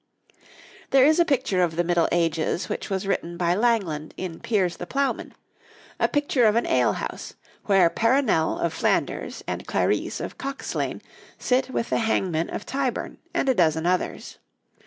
There is a picture of the Middle Ages which was written by Langland in 'Piers the Plowman' a picture of an alehouse, where Peronelle of Flanders and Clarice of Cockeslane sit with the hangman of Tyburn and a dozen others.